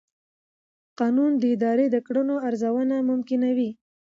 قانون د ادارې د کړنو ارزونه ممکنوي.